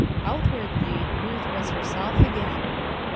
Outwardly, Ruth was herself again.